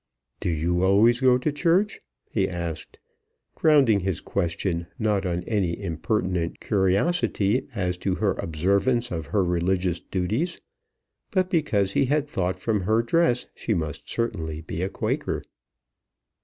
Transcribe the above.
"Do you always go to church?" he asked, grounding his question not on any impertinent curiosity as to her observance of her religious duties, but because he had thought from her dress she must certainly be a Quaker.